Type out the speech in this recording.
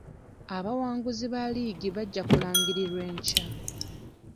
Abawanguzi ba liigi bajja kulangirirwa enkya .